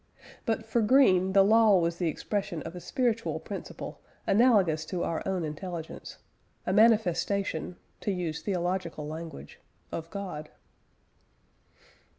But for Green the law was the expression of a spiritual principal analogous to our own intelligence a manifestation (to use theological language) of God.